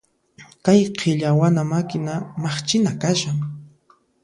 Kay qhilli awana makina maqchina kashan.